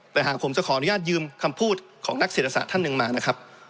แต่หากผมจะขออนุญาตยืมคำพูดของนักเศรษฐศาสตร์ท่านหนึ่งมานะครับ